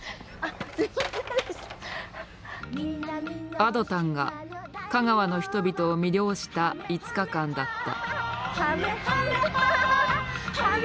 亜土タンが香川の人々を魅了した５日間だった。